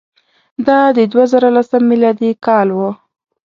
دا د دوه زره لسم میلادي کال وو.